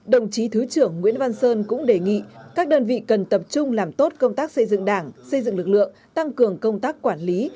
đồng chí thứ trưởng nguyễn văn sơn cũng đề nghị các đơn vị cần tập trung làm tốt công tác xây dựng đảng xây dựng lực lượng tăng cường công tác quản lý